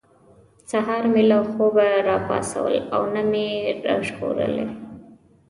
سهار مې له خوبه را پاڅول او نه مې را ژغورلي.